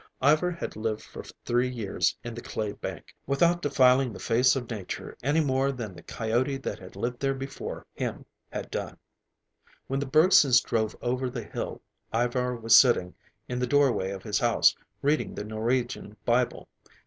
Ivar had lived for three years in the clay bank, without defiling the face of nature any more than the coyote that had lived there before him had done. When the Bergsons drove over the hill, Ivar was sitting in the doorway of his house, reading the Norwegian Bible.